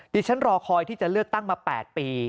ที่ฉันรอคอยที่จะเลือกตั้งมา๘ปี